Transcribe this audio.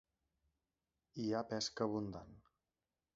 Hi ha pesca abundant.